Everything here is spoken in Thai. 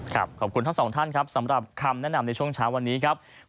ขอบคุณทั้งสองท่านครับสำหรับคำแนะนำในช่วงเช้าวันนี้ครับ